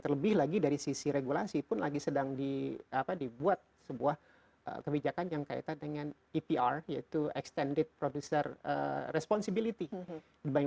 terlebih lagi dari sisi regulasi pun lagi sedang dibuat sebuah kebijakan yang kaitan dengan epr yaitu extended producer responsibility dibanding